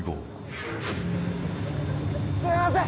すいません！